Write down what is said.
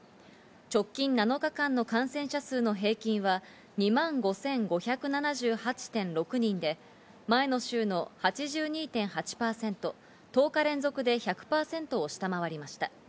直近７日間の感染者数の平均は２万５５７８．６人で、前の週の８２．８％、１０日連続で１００％を下回りました。